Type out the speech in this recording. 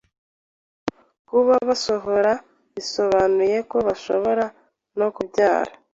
kuba basohora bisobanuye ko bashobora no kubyara